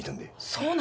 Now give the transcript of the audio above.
そうなの？